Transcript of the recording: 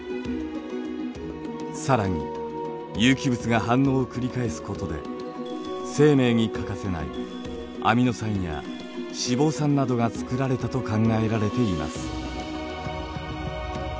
更に有機物が反応を繰り返すことで生命に欠かせないアミノ酸や脂肪酸などがつくられたと考えられています。